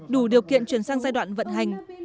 đủ điều kiện chuyển sang giai đoạn vận hành